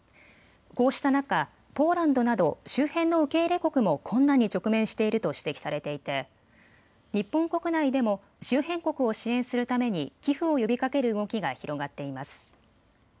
こうした中、ポーランドなど周辺の受け入れ国も困難に直面していると指摘されていて日本国内でも周辺国を支援するために寄付を呼びかける動きが広がっています。